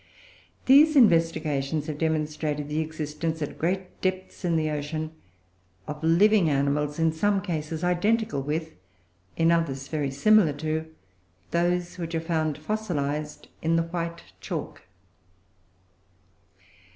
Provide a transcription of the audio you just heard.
These investigations have demonstrated the existence, at great depths in the ocean, of living animals in some cases identical with, in others very similar to, those which are found fossilised in the white chalk.